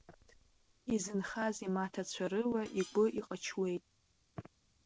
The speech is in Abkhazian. Изынхаз имаҭацәа рыла игәы иҟычуеит.